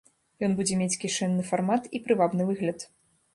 Ён будзе мець кішэнны фармат і прывабны выгляд.